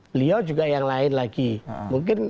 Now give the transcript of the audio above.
beliau juga yang lain lagi mungkin